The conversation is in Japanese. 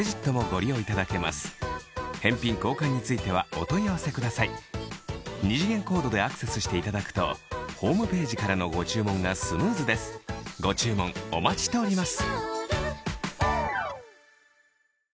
このシリーズを愛用しているシニアの方は二次元コードでアクセスしていただくとホームページからのご注文がスムーズですご注文お待ちしております